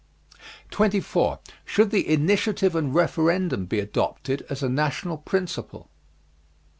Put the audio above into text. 24. Should the Initiative and Referendum be adopted as a national principle?